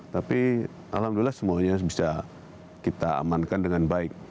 tapi alhamdulillah semuanya bisa kita amankan dengan baik